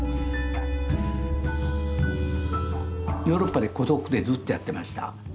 ヨーロッパで孤独でずっとやってました。